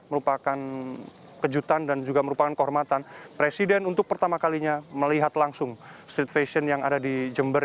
merupakan kejutan dan juga merupakan kehormatan presiden untuk pertama kalinya melihat langsung street fashion yang ada di jember